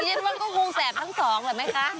อินเยนว่าก็คงแสบทั้งสองเหรอไหมคะ